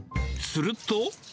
すると。